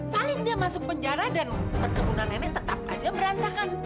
paling dia masuk penjara dan perkebunan nenek tetap aja berantakan